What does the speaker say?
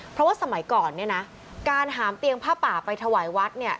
เพราะว่าสมัยก่อนเนี่ยนะการหามเตียงผ้าป่าไปถวายวัดเนี่ย